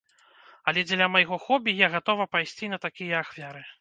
Але дзеля майго хобі я гатова пайсці на такія ахвяры.